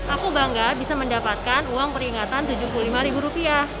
aku bangga bisa mendapatkan uang peringatan tujuh puluh lima ribu rupiah